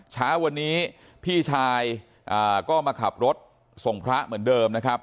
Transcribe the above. เช้าวันนี้พี่ชายก็มาขับรถส่งพระเหมือนเดิมนะครับ